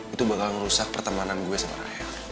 itu bakal ngerusak pertemanan gue sama raya